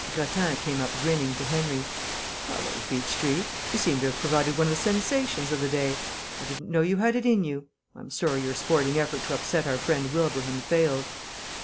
Grattan came up grinning to Henry. "Hallo, Beechtree. You seem to have provided one of the sensations of the day. I didn't know you had it in you. I'm sorry your sporting effort to upset our friend Wilbraham failed."